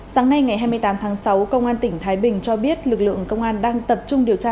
sáng nay ngày hai mươi tám tháng sáu công an tỉnh thái bình cho biết lực lượng công an đang tập trung điều tra